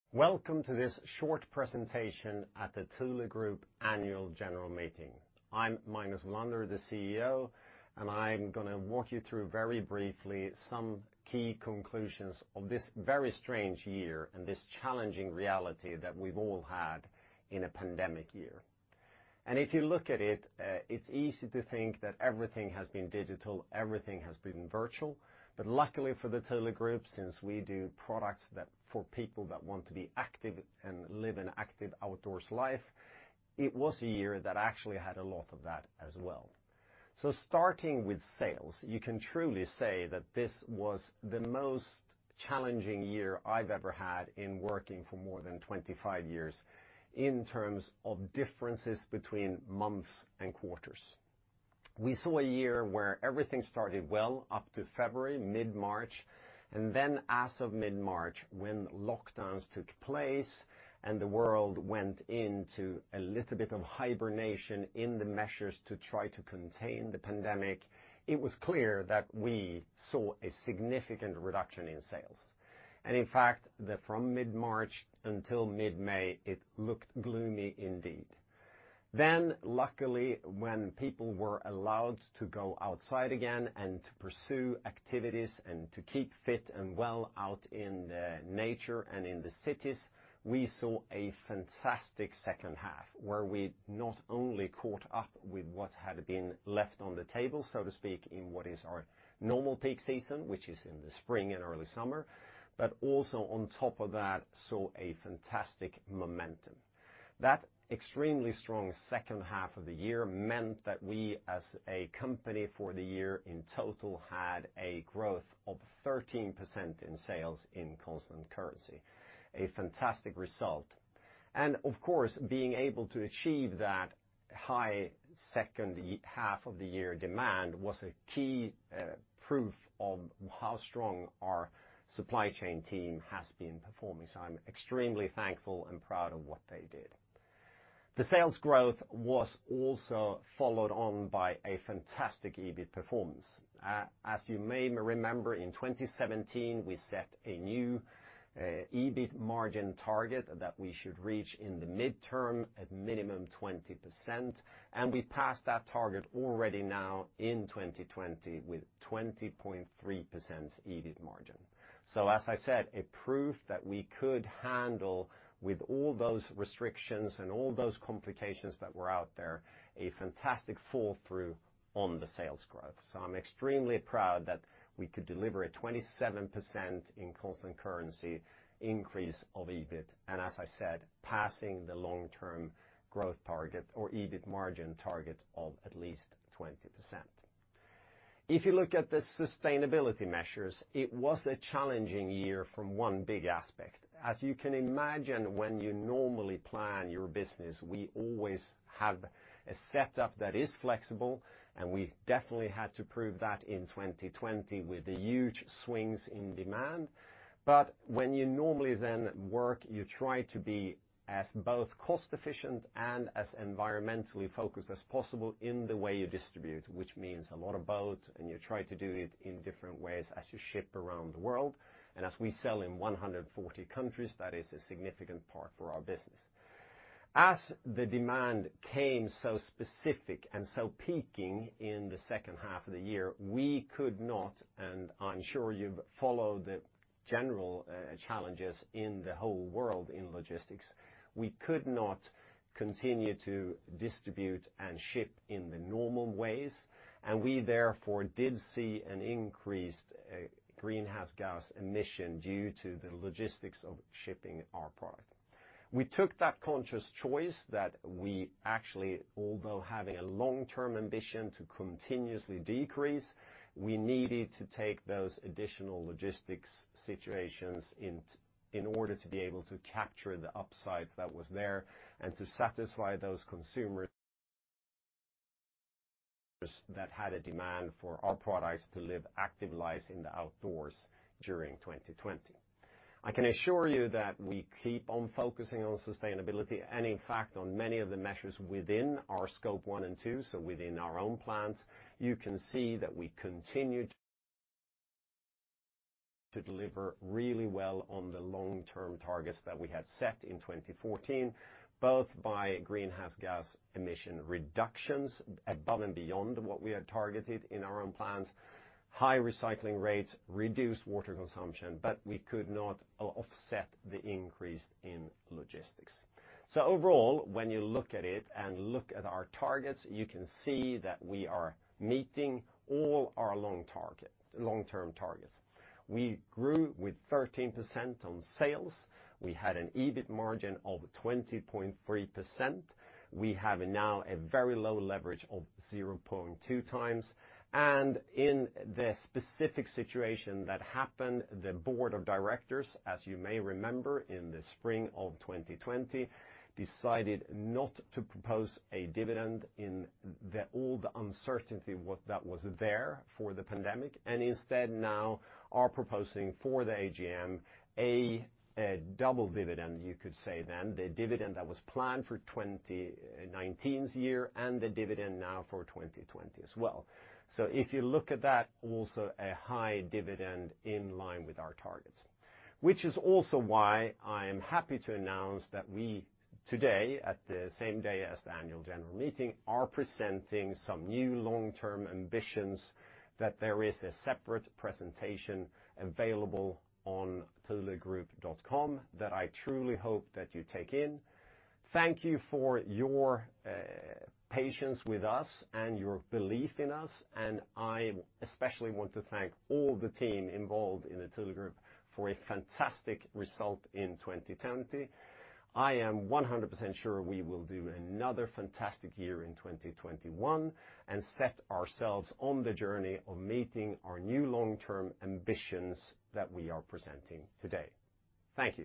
Welcome to this short presentation at the Thule Group annual general meeting. I'm Magnus Welander, the CEO, I'm going to walk you through, very briefly, some key conclusions of this very strange year and this challenging reality that we've all had in a pandemic year. If you look at it's easy to think that everything has been digital, everything has been virtual. Luckily for the Thule Group, since we do products for people that want to be active and live an active outdoors life, it was a year that actually had a lot of that as well. Starting with sales, you can truly say that this was the most challenging year I've ever had in working for more than 25 years, in terms of differences between months and quarters. We saw a year where everything started well, up to February, mid-March, and then as of mid-March, when lockdowns took place and the world went into a little bit of hibernation in the measures to try to contain the pandemic, it was clear that we saw a significant reduction in sales. In fact, from mid-March until mid-May, it looked gloomy indeed. Luckily, when people were allowed to go outside again and to pursue activities and to keep fit and well out in the nature and in the cities, we saw a fantastic second half where we not only caught up with what had been left on the table, so to speak, in what is our normal peak season, which is in the spring and early summer, but also on top of that, saw a fantastic momentum. That extremely strong second half of the year meant that we, as a company for the year in total, had a growth of 13% in sales in constant currency. A fantastic result. Of course, being able to achieve that high second half of the year demand was a key proof of how strong our supply chain team has been performing. I'm extremely thankful and proud of what they did. The sales growth was also followed on by a fantastic EBIT performance. As you may remember, in 2017, we set a new EBIT margin target that we should reach in the midterm at minimum 20%, we passed that target already now in 2020 with 20.3% EBIT margin. As I said, a proof that we could handle, with all those restrictions and all those complications that were out there, a fantastic fall through on the sales growth. I'm extremely proud that we could deliver a 27% in constant currency increase of EBIT, and as I said, passing the long-term growth target or EBIT margin target of at least 20%. If you look at the sustainability measures, it was a challenging year from one big aspect. As you can imagine, when you normally plan your business, we always have a setup that is flexible, and we've definitely had to prove that in 2020 with the huge swings in demand. When you normally then work, you try to be as both cost-efficient and as environmentally focused as possible in the way you distribute, which means a lot of costs, and you try to do it in different ways as you ship around the world. As we sell in 140 countries, that is a significant part for our business. As the demand came so specific and so peaking in the second half of the year, we could not, and I'm sure you've followed the general challenges in the whole world in logistics, we could not continue to distribute and ship in the normal ways. We therefore did see an increased greenhouse gas emission due to the logistics of shipping our product. We took that conscious choice that we actually, although having a long-term ambition to continuously decrease, we needed to take those additional logistics situations in order to be able to capture the upside that was there and to satisfy those consumers that had a demand for our products to live active lives in the outdoors during 2020. I can assure you that we keep on focusing on sustainability and in fact, on many of the measures within our Scope 1 and 2, so within our own plants, you can see that we continued to deliver really well on the long-term targets that we had set in 2014, both by greenhouse gas emission reductions above and beyond what we had targeted in our own plants, high recycling rates, reduced water consumption. We could not offset the increase in logistics. Overall, when you look at it and look at our targets, you can see that we are meeting all our long-term targets. We grew with 13% on sales. We had an EBIT margin of 20.3%. We have now a very low leverage of 0.2X. In the specific situation that happened, the board of directors, as you may remember in the spring of 2020, decided not to propose a dividend in all the uncertainty that was there for the pandemic, instead now are proposing for the AGM a double dividend, you could say then, the dividend that was planned for 2019's year and the dividend now for 2020 as well. If you look at that, also a high dividend in line with our targets, which is also why I am happy to announce that we today, at the same day as the annual general meeting, are presenting some new long-term ambitions that there is a separate presentation available on thulegroup.com that I truly hope that you take in. Thank you for your patience with us and your belief in us, and I especially want to thank all the team involved in the Thule Group for a fantastic result in 2020. I am 100% sure we will do another fantastic year in 2021 and set ourselves on the journey of meeting our new long-term ambitions that we are presenting today. Thank you